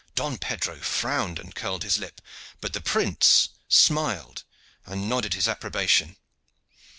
Don Pedro frowned and curled his lip, but the prince smiled and nodded his approbation.